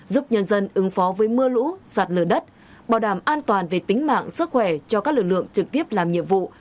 giúp nhân dân ứng phó với mưa lũ sạt lở đất bảo đảm an toàn về tính mạng sức khỏe cho các lực lượng trực tiếp làm nhiệm vụ